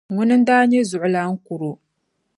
Ŋuni n daa nyɛ zuɣulan kuro.